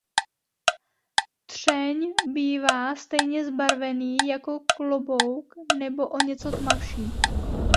Třeň bývá stejně zbarvený jako klobouk nebo o něco tmavší.